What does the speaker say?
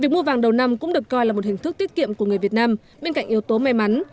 việc mua vàng đầu năm cũng được coi là một hình thức tiết kiệm của người việt nam bên cạnh yếu tố may mắn